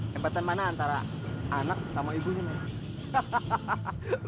tempatan mana antara anak sama ibunya men